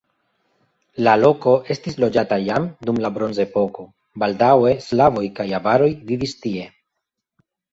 La loko estis loĝata jam dum la bronzepoko, baldaŭe slavoj kaj avaroj vivis tie.